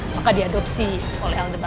maka diadopsi oleh al ndebaran